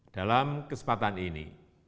dalam kesempatan ini